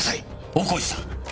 大河内さん！